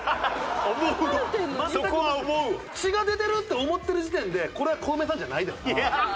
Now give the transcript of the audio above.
血が出てるって思ってる時点でこれはコウメさんじゃないです。